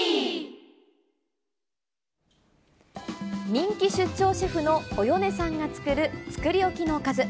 人気出張シェフのおよねさんが作る、作り置きのおかず。